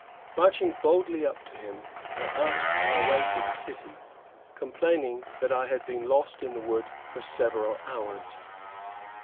Marching boldly up to him, I asked my way to the city, complaining that I had been lost in the wood for several hours.